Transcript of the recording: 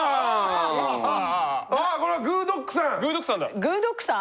あこれは「グぅ！ドッグ」さん。